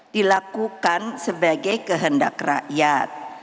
dilakukan sebagai kehendak rakyat